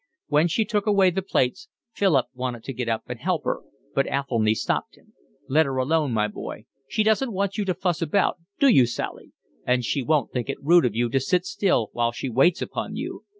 When she took away the plates, Philip wanted to get up and help her, but Athelny stopped him. "Let her alone, my boy. She doesn't want you to fuss about, do you, Sally? And she won't think it rude of you to sit still while she waits upon you.